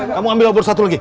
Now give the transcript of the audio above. kamu ambil obor satu lagi